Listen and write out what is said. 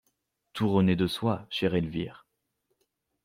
Tout renaît de soi, chère Elvire.